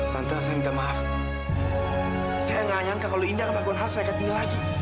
pertamanya kalau kita semakin cinta